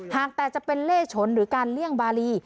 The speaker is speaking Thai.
หากแต่จะเป็นเล่ฉนหรือการเลี่ยงบารี